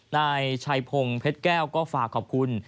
นายชัยพงศ์เพชรแก้วก็ฝากขอบคุณ